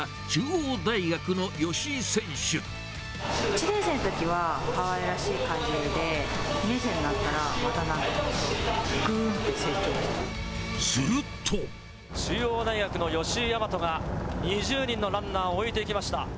中央大学の吉居大和が、２０人のランナーを置いていきました。